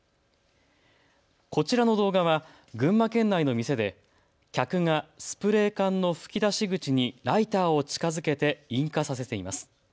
こちらの動画は群馬県内の店で客がスプレー缶の吹き出し口にライターを近づけて引火させています。